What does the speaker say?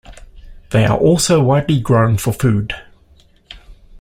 They are also widely grown for food.